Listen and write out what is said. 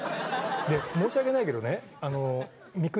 申し訳ないけどね三國。